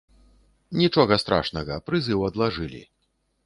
Нічога страшнага, прызыў адлажылі.